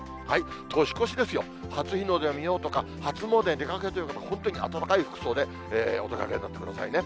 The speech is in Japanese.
年越しですよ、初日の出を見ようとか、初詣に出かけるという方、本当に暖かい服装でお出かけになってくださいね。